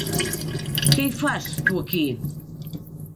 Què hi fas, tu, aquí?